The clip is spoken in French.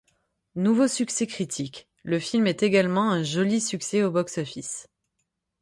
Nouveau succès critique, le film est également un joli succès au box-office.